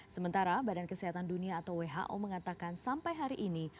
sementara badan kesehatan dunia atau who mengatakan sampai hari ini